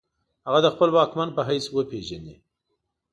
هغه د خپل واکمن په حیث وپیژني.